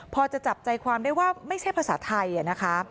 พอจะจับใจความได้ว่าไม่ใช่ภาษาไทยนะคะ